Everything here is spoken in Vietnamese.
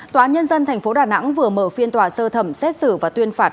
tòa nhân dân tp đn vừa mở phiên tòa sơ thẩm xét xử và tuyên phạt